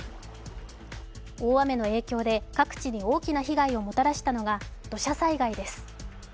大雨の影響で各地に大きな被害をもたらしたのが土砂災害です。